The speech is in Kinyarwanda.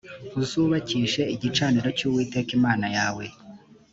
uzubakishe igicaniro cy uwiteka imana yawe